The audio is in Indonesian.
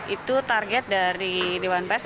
itu target dari dewan pers